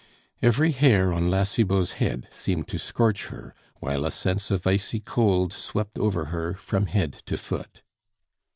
Every hair on La Cibot's head seemed to scorch her, while a sense of icy cold swept over her from head to foot.